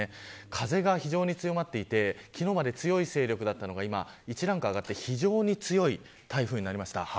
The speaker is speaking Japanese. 風が非常に強まっていて昨日まで強い勢力だったのが今１段階上がって非常に強い勢力になりました。